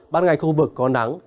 ban ngày khu vực có nắng